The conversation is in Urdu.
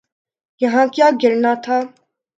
یہاں کیا گرنا تھا؟